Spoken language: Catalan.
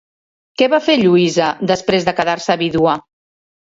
Què va fer Lluïsa després de quedar-se vídua?